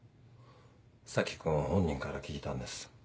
佐木君本人から聞いたんです。